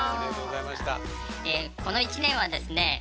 この一年はですね